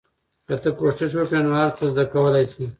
که ته کوشش وکړې نو هر څه زده کولای سې.